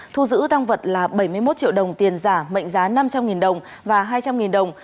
thu giữ tăng vật là bảy mươi một triệu đồng tiền giả mệnh giá năm trăm linh đồng và hai trăm linh đồng